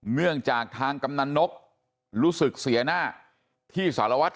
เนื่องจากทางกำนันนกรู้สึกเสียหน้าที่สารวัตร